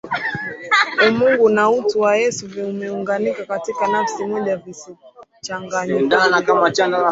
Umungu na utu wa Yesu vimeunganika katika nafsi moja visichanganyikane